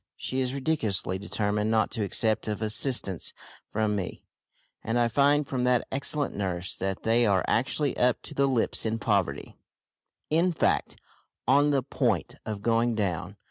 She is ridiculously determined not to accept of assistance from me, and I find from that excellent nurse that they are actually up to the lips in poverty in fact, on the point of going down.